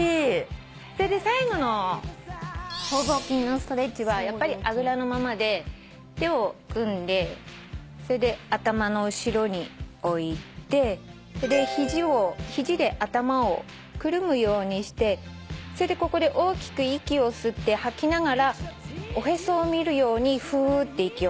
最後の僧帽筋のストレッチはあぐらのままで手を組んで頭の後ろに置いて肘で頭をくるむようにしてここで大きく息を吸って吐きながらおへそを見るようにふーって息を吐いて。